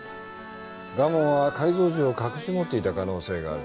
蒲生は改造銃を隠し持っていた可能性がある。